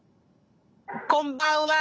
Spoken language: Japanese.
こんばんは。